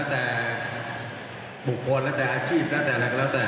แต่บุคคลแล้วแต่อาชีพแล้วแต่อะไรก็แล้วแต่